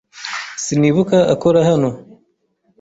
Sinibuka akora hano.